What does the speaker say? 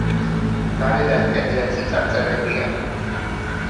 გარედან კედლებზე წარწერებია.